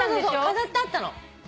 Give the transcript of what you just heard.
飾ってあったの。